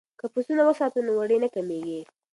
که پسونه وساتو نو وړۍ نه کمیږي.